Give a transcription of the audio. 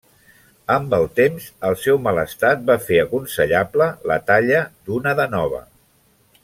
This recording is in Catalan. Amb el temps el seu mal estat va fer aconsellable la talla d'una de nova.